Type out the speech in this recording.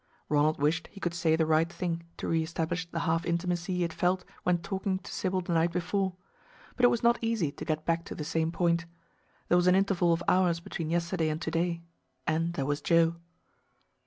Ronald wished he could say the right thing to reestablish the half intimacy he had felt when talking to Sybil the night before. But it was not easy to get back to the same point. There was an interval of hours between yesterday and to day and there was Joe.